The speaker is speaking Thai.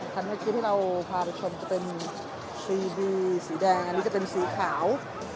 คันเมื่อกี้ที่เราพาผู้ชมก็เป็นชีวิตสีแดงอันนี้ก็เป็นสีขาว